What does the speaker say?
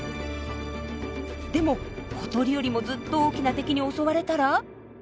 でも小鳥よりもずっと大きな敵に襲われたら？